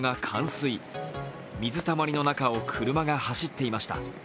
水たまりの中を車が走っていました。